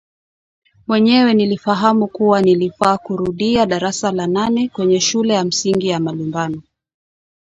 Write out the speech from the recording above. Mwenyewe nilifahamu kuwa nilifaa kurudia darasa la nane kwenye shule ya msingi ya Malumbano